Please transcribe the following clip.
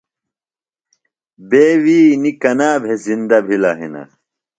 بے ویِئ نیۡ کنا بھےۡ زِندہ بِھلہ ہِنہ ؟